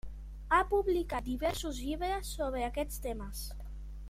Ha publicat diversos llibres sobre aquests temes.